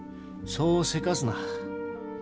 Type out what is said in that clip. そうせかすな。